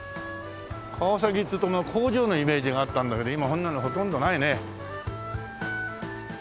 川崎っていうと工場のイメージがあったんだけど今はそんなのほとんどないね。